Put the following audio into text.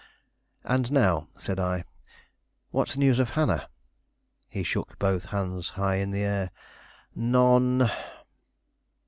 "And now," said I, "what news of Hannah?" He shook both hands high in the air. "None."